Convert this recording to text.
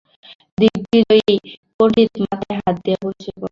দিগ্বিজয়ী পণ্ডিত মাথায় হাত দিয়ে বসে পড়লেন।